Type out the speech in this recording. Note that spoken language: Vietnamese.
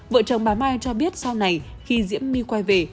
vợ chồng bà mai cho biết sau này khi diễm my quay về